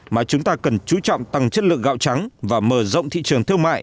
mà chúng ta cần chú trọng tăng chất lượng gạo trắng và mở rộng thị trường thương mại